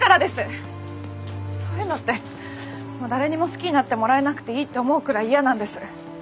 そういうのってもう誰にも好きになってもらえなくていいって思うくらい嫌なんです。